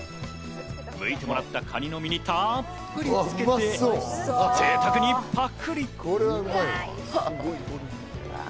向いてもらったかにの身にたっぷりつけてぜいたくにパクリ。